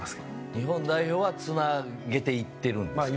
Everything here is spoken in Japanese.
日本代表はつなげていってるんですよね。